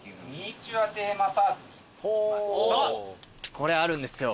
これあるんですよ。